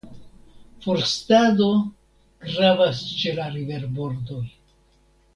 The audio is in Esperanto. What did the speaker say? Forstado gravas ĉe la riverbordoj.